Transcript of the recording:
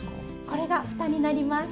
これがふたになります。